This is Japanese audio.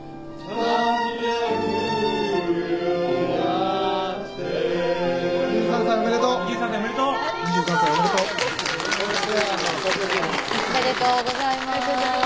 おめでとうございます。